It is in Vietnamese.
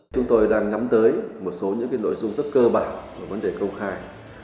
chúng tôi đang nhắm tới một số những nội dung rất cơ bản của vấn đề công khai